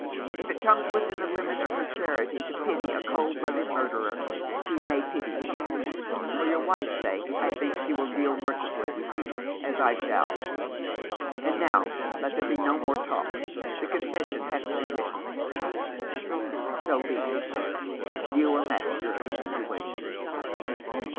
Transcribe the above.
If it comes within the limit of her charity to pity a cold blooded murderer, she may pity you. For your wife's sake I think she will deal mercifully with you, as I shall. And 381 Rough Justice. now let there be no more talk. The confession has to be written." " So be it. You are master of the situation."